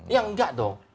ya enggak dong